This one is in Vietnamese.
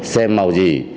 xe màu gì